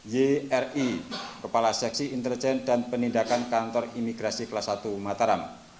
yri kepala seksi intelijen dan penindakan kantor imigrasi kelas satu mataram